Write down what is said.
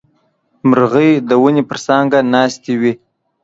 مرغۍ د ونې پر څانګه ناستې وې.